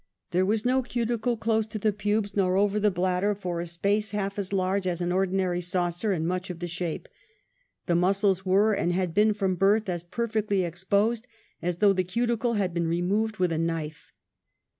There was no cuticle close to the pubes nor over the bladder for a space half as large as an ordinary saucer and much the shape. The muscles were and /had been from birth as perfectly exposed as though { the cuticle had been removed with a knife.